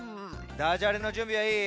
ダジャレのじゅんびはいい？